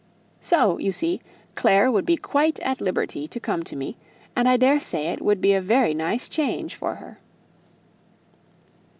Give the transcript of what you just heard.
So, you see, Clare would be quite at liberty to come to me, and I daresay it would be a very nice change for her."